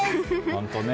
本当ね。